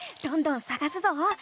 どんどんさがすぞ！